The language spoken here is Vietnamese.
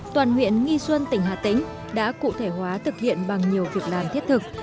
toàn huyện nghi xuân tỉnh hà tĩnh đã cụ thể hóa thực hiện bằng nhiều việc làm thiết thực